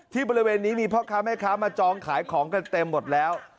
ที่บริเวณนี้มีเพราะข้าแม่ข้ามาจองขายของเต็มหมดแล้ว